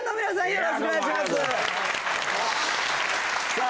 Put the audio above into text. よろしくお願いしますさあ